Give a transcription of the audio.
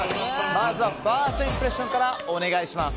まずはファーストインプレッションからお願いします。